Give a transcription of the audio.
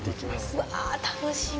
うわあ、楽しみ。